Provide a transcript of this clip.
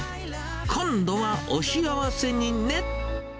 今度はお幸せにね。